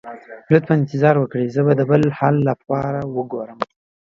لطفا انتظار وکړئ، زه به د بل حل لپاره وګورم.